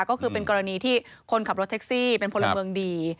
ก็คือเป็นกรณีที่คนขับรถแท็กซี่เป็นพลเมืองดี